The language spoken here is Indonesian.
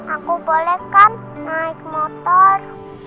aku boleh kan naik motor